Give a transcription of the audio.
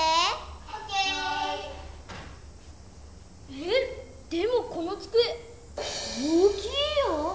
えっ⁉でもこのつくえ大きいよ！